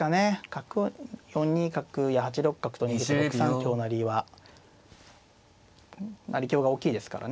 角を４二角や８六角と逃げて６三香成は成香が大きいですからね。